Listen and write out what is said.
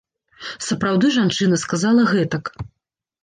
Сапраўды жанчына сказала гэтак.